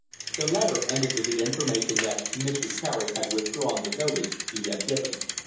The letter ended with the information that Mr. Carey had withdrawn the notice he had given.